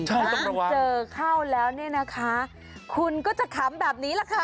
ใช่ต้องระวังถ้าเจอเข้าแล้วนี่นะคะคุณก็จะขำแบบนี้แหละค่ะ